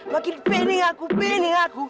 makin pening aku pening aku